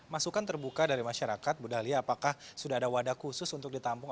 masukan terbuka dari masyarakat bu dali apakah sudah ada wadah khusus untuk ditampung